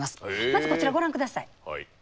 まずこちらをご覧下さい。